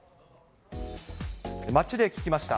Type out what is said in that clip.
街で聞きました。